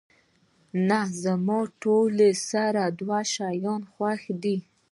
نه، زما ټول سره دوه شیان خوښ دي.